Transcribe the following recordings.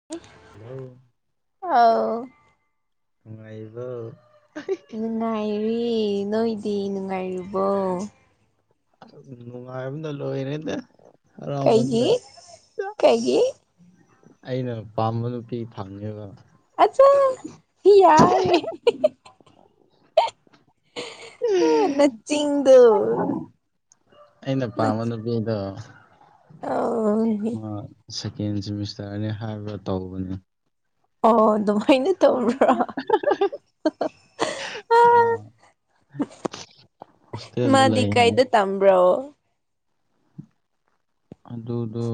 [unintelligible] Hello ꯑꯥꯎ ꯅꯨꯡꯉꯥꯏꯔꯤꯕ꯭ꯔꯣ? ꯅꯨꯡꯉꯥꯏꯔꯤ ꯅꯣꯏꯗꯤ ꯅꯨꯡꯉꯥꯏꯔꯤꯕꯣ? ꯅꯨꯉꯥꯏꯕꯅ ꯂꯣꯏꯔꯦꯅꯦ ꯍꯔꯥꯎꯃꯟꯕꯩ ꯀꯩꯒꯤ ꯀꯩꯒꯤ ꯑꯩꯅ ꯄꯥꯝꯕ ꯅꯨꯄꯤ ꯐꯪꯉꯦꯕ꯫ ꯑꯆꯥ ꯌꯥꯔꯦ ꯅꯆꯤꯡꯗꯣ ꯑꯩꯅ ꯄꯥꯝꯕ ꯅꯨꯄꯤꯗꯣ ꯑ ꯑꯣ ꯁꯦꯀꯦꯟ ꯁꯤꯃꯤꯁꯇꯔꯅꯤ ꯍꯥꯏꯕ ꯇꯧꯕꯅꯤ ꯑꯣ ꯑꯗꯨꯃꯥꯏꯅ ꯇꯧꯕ꯭ꯔꯣ [unintelligible] ꯍꯣꯁꯇꯦꯜꯗ ꯃꯥꯗꯤ ꯂꯩ ꯍꯥꯏ ꯀꯩꯗ ꯇꯝꯕ꯭ꯔꯣ? ꯑꯗꯨ ꯑꯗꯨꯗꯣ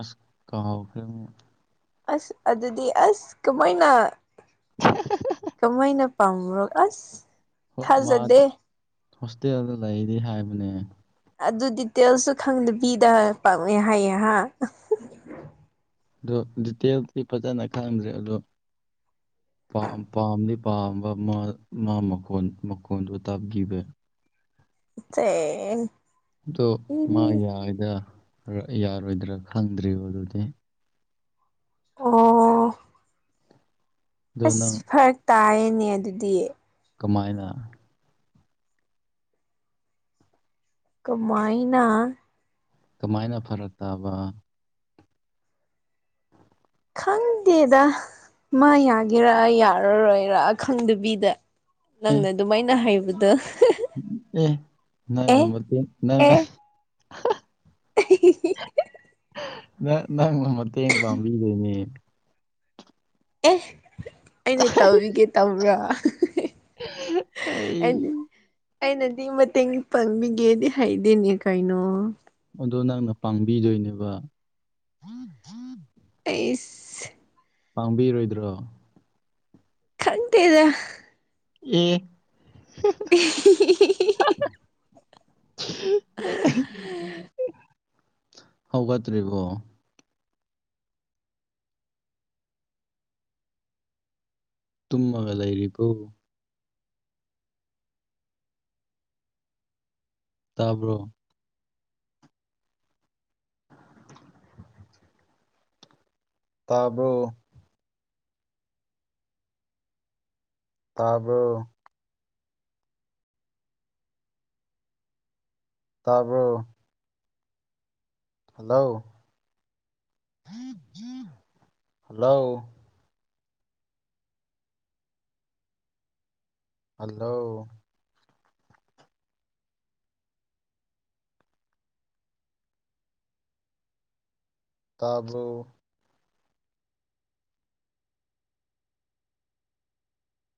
ꯑꯁ ꯀꯥꯎꯈ꯭ꯔꯦ ꯑꯃꯨꯛ ꯑꯁ ꯑꯗꯨꯗꯤ ꯑꯁ ꯀꯃꯥꯏꯅ ꯀꯃꯥꯏꯅ ꯄꯥꯝꯕ꯭ꯔꯣ ꯑꯁ ꯃꯥ ꯊꯥꯖꯗꯦ ꯍꯣꯁꯇꯦꯜꯗ ꯂꯩꯔꯤ ꯍꯥꯏꯕꯅꯦ꯫ ꯑꯗꯨ ꯗꯤꯇꯦꯜꯁꯁꯨ ꯈꯪꯗꯕꯤꯗ ꯄꯥꯛꯃꯦ ꯍꯥꯏꯌꯦ ꯍꯥ ꯑꯗꯣ ꯗꯤꯇꯦꯜꯗꯤ ꯐꯖꯅ ꯈꯪꯗ꯭ꯔꯦ ꯑꯗꯣ ꯄꯥꯝ ꯄꯥꯝꯗꯤ ꯄꯥꯝꯕ ꯃꯥ ꯃꯥ ꯃꯈꯣꯟ ꯃꯈꯣꯟꯗꯨꯣ ꯇꯥꯕꯈꯤꯕꯩ [unintelligible] ꯑꯗꯣ ꯃꯥ ꯌꯥꯗ ꯌꯥꯔꯣꯏꯗ꯭ꯔꯥ ꯈꯪꯗ꯭ꯔꯤꯕ ꯑꯗꯨꯗꯤ ꯑꯣ ꯑꯗꯣ ꯑꯁ ꯅꯪ ꯐꯔꯛ ꯇꯥꯅꯦ ꯑꯗꯨꯗꯤ ꯀꯃꯥꯏꯅ ꯀꯃꯥꯏꯅꯥ ꯀꯃꯥꯏꯅ ꯐꯔꯛ ꯇꯥꯕ [unintelligible] ꯈꯪꯗꯦꯗ ꯃꯥ ꯌꯥꯒꯦꯔꯥ ꯌꯥꯔꯔꯣꯏꯔ ꯈꯪꯗꯕꯤꯗ ꯑꯦ ꯅꯪꯅ ꯑꯗꯨꯃꯥꯏꯅ ꯍꯩꯕꯗꯨ ꯑꯦ ꯅꯪꯅꯥ ꯃꯇꯦꯡ ꯅꯪꯅꯥ ꯑꯦ [unintelligible] [unintelligible] ꯅ ꯅꯪ ꯃꯇꯦꯡ ꯄꯥꯡꯕꯤꯗꯣꯏꯅꯦ ꯑꯦ ꯑꯅꯦ ꯇꯧꯔꯤꯒꯦ ꯇꯧꯕ꯭ꯔꯣ ꯑꯩ [unintelligible] ꯑꯩꯅꯗꯤ ꯃꯇꯦꯡ ꯄꯥꯡꯕꯤꯒꯦꯗꯤ ꯍꯩꯗꯦꯅꯦ ꯀꯩꯅꯣ ꯑꯗꯣ ꯅꯪꯅ ꯄꯥꯡꯕꯤꯗꯣꯏꯅꯦꯕ ꯑꯥꯏꯁ ꯄꯥꯡꯕꯤꯔꯣꯏꯗ꯭ꯔꯣ ꯈꯪꯗꯦꯗ ꯑꯦ ꯍꯧꯒꯠꯇꯔꯤꯕꯣ ꯇꯨꯝꯃꯒ ꯂꯩꯔꯤꯔꯤꯕꯣ ꯇꯥꯕ꯭ꯔꯣ [unintelligible] ꯇꯥꯕꯣ ꯇꯥꯕꯣꯔ ꯇꯥꯕꯔꯣ ꯍꯜꯂꯣ ꯍꯜꯂꯣ ꯍꯜꯂꯣ ꯇꯥꯕꯣ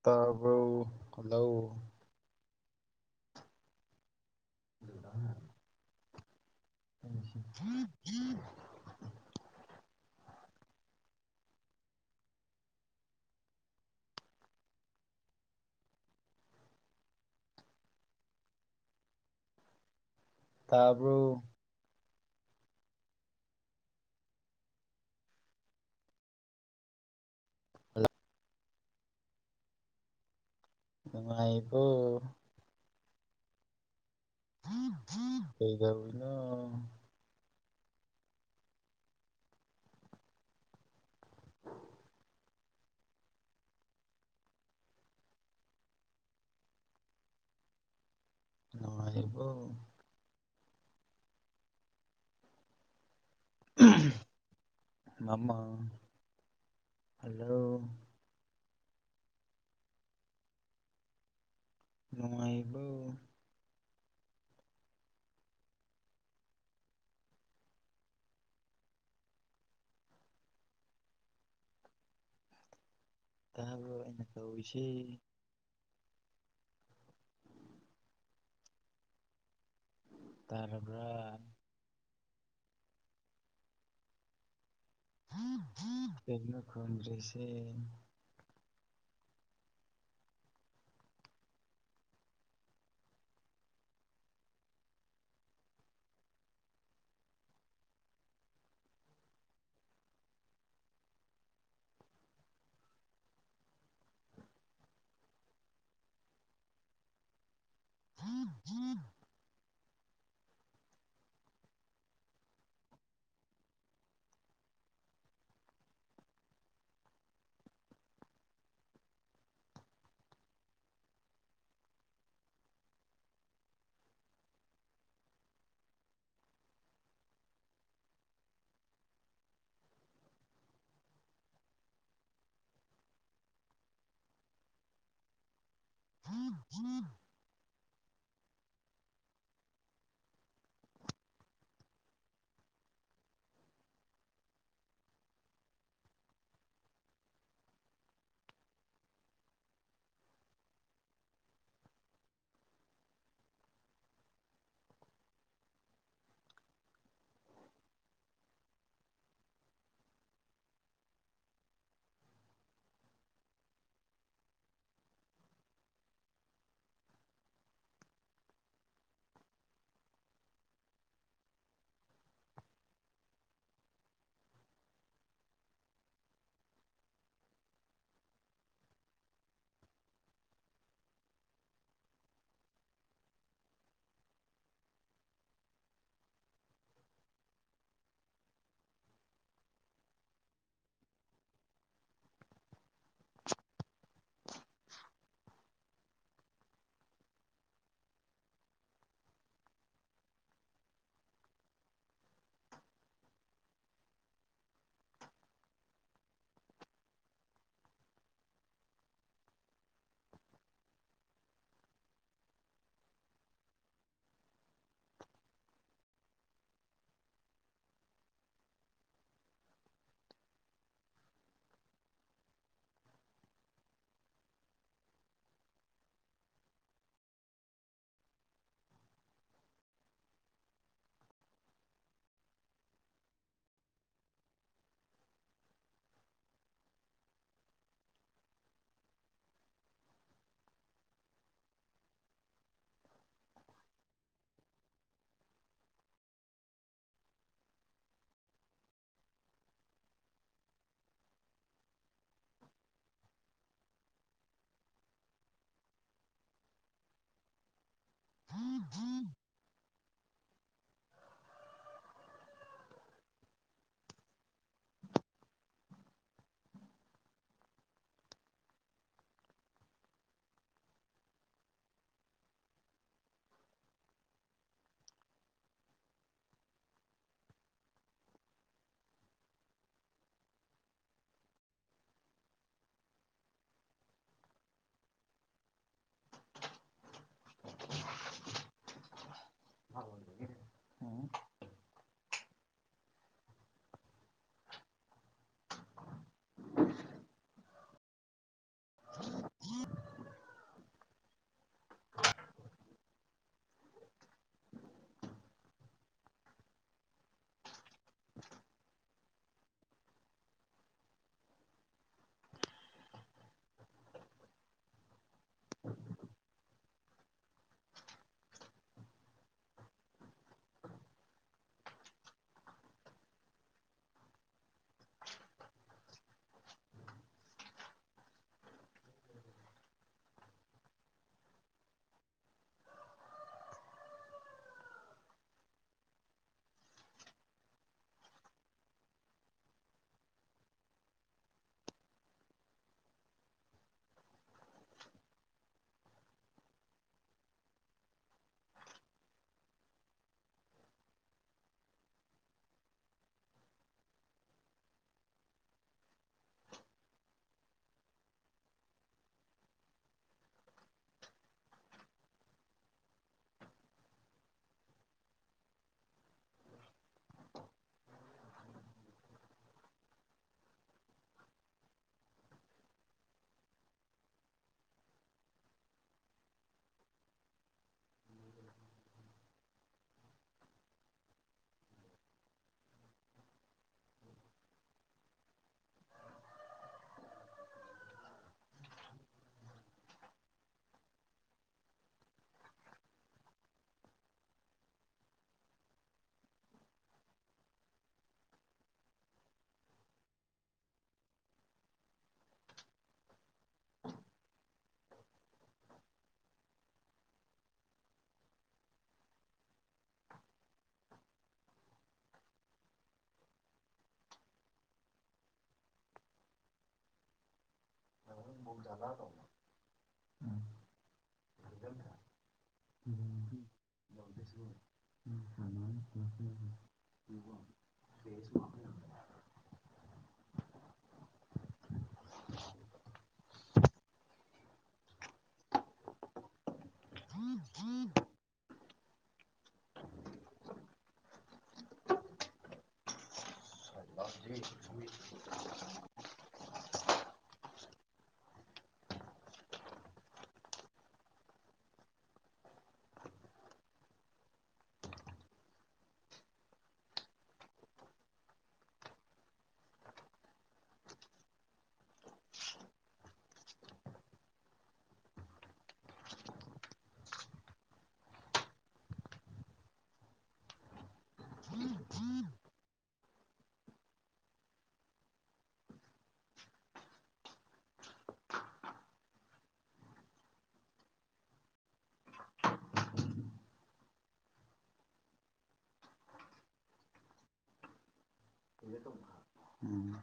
ꯇꯕꯔꯣ ꯍꯂꯣ [unintelligible] [unintelligible] ꯇꯥꯕꯔꯣ꯫ ꯍꯂꯣ [unintelligible] ꯅꯨꯡꯉꯥꯏꯕꯣ [unintelligible] ꯀꯩꯗꯧꯔꯤꯅꯣ [unintelligible] ꯅꯨꯡꯉꯥꯏꯔꯤꯕꯣ [unintelligible] ꯎꯟ ꯃꯃꯥ ꯍꯜꯂꯣ ꯅꯨꯪꯉꯥꯏꯔꯤꯕꯔꯣ ꯇꯥꯕꯔꯣ ꯑꯩꯅꯥ ꯀꯧꯔꯤꯁꯤ ꯇꯔꯕꯔꯥ ꯀꯩꯅꯣ ꯈꯨꯝꯗ꯭ꯔꯤꯁꯦ [unintelligible] [unintelligible] [unintelligible] [unintelligible] [unintelligible] ꯎꯝ [inaudible] [unintelligible] [unintelligible] [unintelligible] [unintelligible] [unintelligible] [unintelligible] ꯎꯝ